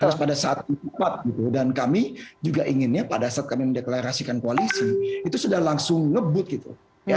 terus pada saat gitu dan kami juga inginnya pada saat kami mendeklarasikan koalisi itu sudah langsung ngebut gitu